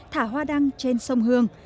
thả hoa đăng trên sông hương